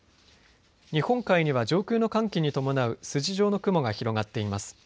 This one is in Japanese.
日本海には上空の寒気に伴う筋状の雲が広がっています。